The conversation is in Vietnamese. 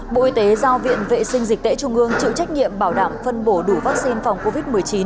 bộ y tế giao viện vệ sinh dịch tễ trung ương chịu trách nhiệm bảo đảm phân bổ đủ vaccine phòng covid một mươi chín